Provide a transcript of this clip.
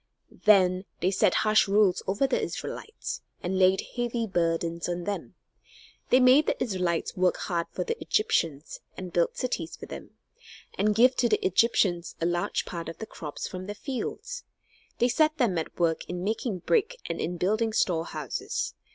Then they set harsh rules over the Israelites, and laid heavy burdens on them. They made the Israelites work hard for the Egyptians, and build cities for them, and give to the Egyptians a large part of the crops from their fields. They set them at work in making brick and in building storehouses.